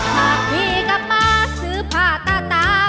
ถ้าพี่กับป๊าซื้อผ้าตาตา